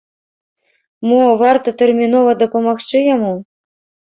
Мо, варта тэрмінова дапамагчы яму?